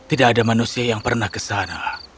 tidak ada manusia yang pernah ke sana